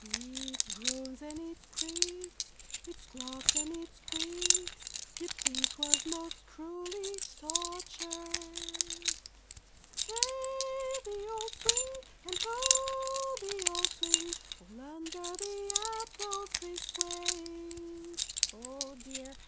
It groans and it creaks, It squawks and it squeaks, You'd think 'twas most cruelly tortured. Hey! the old swing, And ho! the old swing, All under the apple trees swaying: "Oh dear!